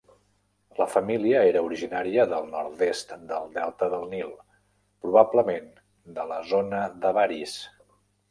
La família era originària del nord-est del delta del Nil, probablement de la zona d'Avaris.